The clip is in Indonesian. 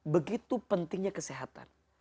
begitu pentingnya kesehatan